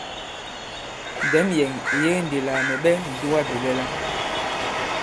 Ndɛ̌m yɛ̀ŋ ì yege ndī lā mɛ̀ ɓɛ ǹdugabìlɛla.